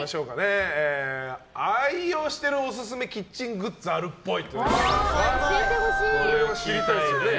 愛用してるおすすめキッチングッズあるっぽい。